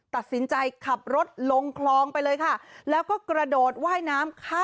ตัดสินใจขับรถลงคลองไปเลยค่ะ